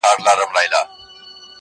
هم په زور كي موږكان نه وه زمري وه٫